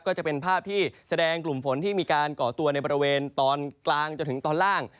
ก็จะเป็นภาพที่แสดงกลุ่มฝนที่มีการก่อตัวในบริเวณตอนกลางจนถึงตอนล่าง